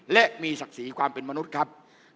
และมีศักดิ์ศรีความเป็นมนุษย์ครับ